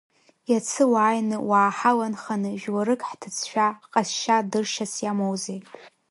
Иацы уааины уааҳаланханы, жәларык ҳҭыӡшәа, ҳҟазшьа дыршьас иамоузеи!